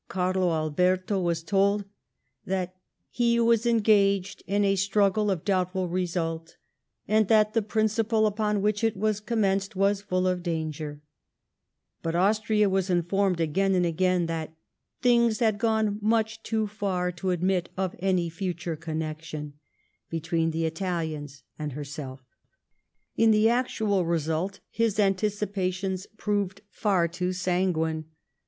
Carlo Alberto was told that he was engaged in a struggle of doubtful result, and that the principle upon which it was commenced was full of danger ;" but Austria was informed again and again that '' things had gone much too far to admit of any future connection " between the Italians and herself. In the actual result his anticipa tions proved far too sanguine.